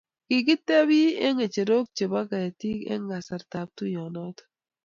Kikitepi eng ng'echerook chebo ketiik eng kasartab tuiyonotok.